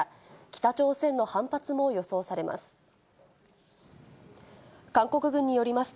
北朝鮮の反発も予想されます。